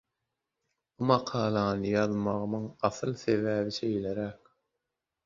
Bu makalany ýazmagymyň asyl sebäbi şeýleräk.